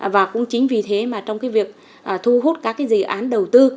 và cũng chính vì thế mà trong việc thu hút các dự án đầu tư